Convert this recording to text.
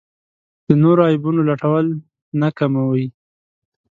د نورو عیبونو لټول نه کموي.